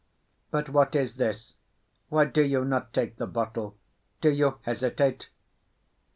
But what is this? Why do you not take the bottle? Do you hesitate?"